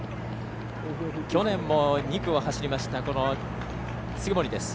去年も２区を走りましたこの杉森です。